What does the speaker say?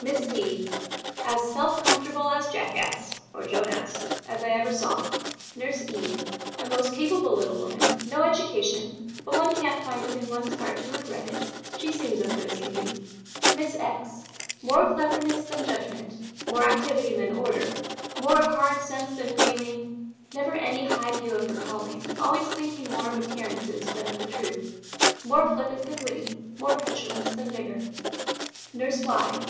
"Miss D. As self comfortable a jackass (or Joan ass) as ever I saw." "Nurse E. A most capable little woman, no education, but one can't find it in one's heart to regret it, she seems as good as can be." "Miss X. More cleverness than judgment, more activity than order, more hard sense than feeling, never any high view of her calling, always thinking more of appearances than of the truth, more flippant than witty, more petulance than vigour." "Nurse Y.